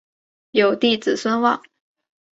有弟子孙望。